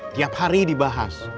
tiap hari dibahas